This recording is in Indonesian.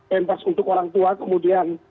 tembak untuk orang tua kemudian